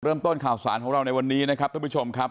เริ่มต้นข่าวสารของเราในวันนี้นะครับท่านผู้ชมครับ